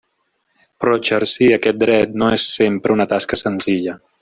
Però exercir aquest dret no és sempre una tasca senzilla.